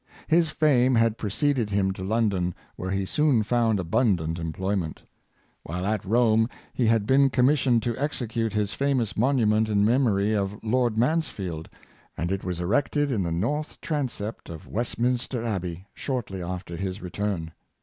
His fame had preceded him to London, where he soon found abundant employment. While at Rome he had been commissioned to execute his famous monu ment in memory of Lord Mansfield, and it was erected in the North transept of Westminster Abbey shortly after his return.